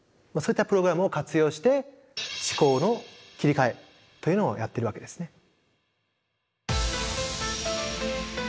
そういったプログラムを活用して思考の切り替えというのをやってるわけですね。